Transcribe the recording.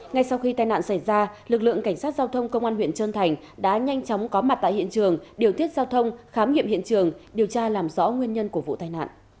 ngay sau khi tai nạn xảy ra lực lượng cảnh sát giao thông công an huyện trơn thành đã nhanh chóng có mặt tại hiện trường điều tiết giao thông khám nghiệm hiện trường điều tra làm rõ nguyên nhân của vụ tai nạn